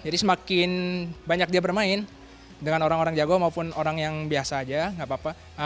jadi semakin banyak dia bermain dengan orang orang jago maupun orang yang biasa aja gak apa apa